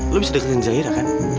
lo bisa deketin zaira kan